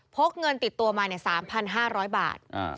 พกเงินติดตัวมาเนี่ย๓๕๐๐บาท